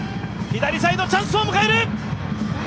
左サイド、チャンスを迎える。